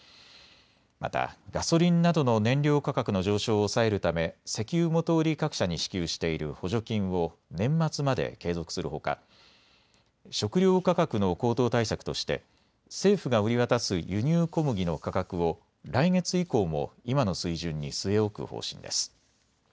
またガソリンなどの燃料価格の上昇を抑えるため石油元売り各社に支給している補助金を年末まで継続するほか食料価格の高騰対策として政府が売り渡す輸入小麦の価格を来月以降も今の水準に据え置く方針です。